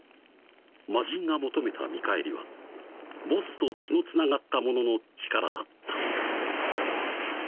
［魔神が求めた見返りはボッスと血のつながった者の力だった］